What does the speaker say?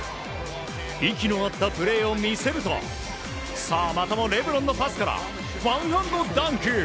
息の合ったプレーを見せるとまたもレブロンのパスからワンハンドダンク！